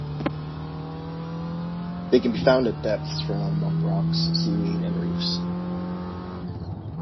They can be found at depths from amongst rocks, seaweed and reefs.